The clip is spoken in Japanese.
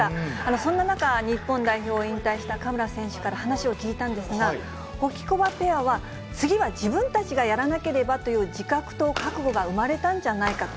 そんな中、日本代表を引退した嘉村選手から話を聞いたんですが、ホキコバペアは次は自分たちがやらなければという自覚と覚悟が生まれたんじゃないかと。